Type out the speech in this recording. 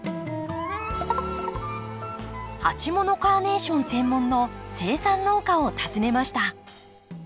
鉢物カーネーション専門の生産農家を訪ねました。